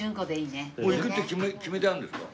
もう行くって決めてあるんですか？